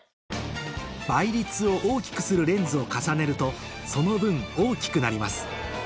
倍率を大きくするレンズを重ねるとその分大きくなります